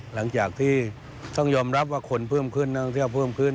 หลังจากที่ต้องยอมรับว่าคนเพิ่มขึ้นนักท่องเที่ยวเพิ่มขึ้น